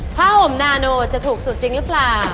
ผ้าห่มนาโนจะถูกสุดจริงหรือเปล่า